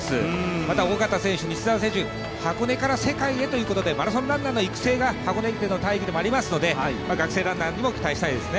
また緒方選手、西澤選手、箱根から世界へということでマラソンランナーの育成が箱根駅伝のタイムでもありますので、学生ランナーにも期待したいですね。